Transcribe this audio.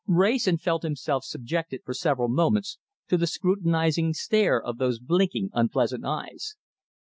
Wrayson felt himself subjected for several moments to the scrutinizing stare of those blinking, unpleasant eyes.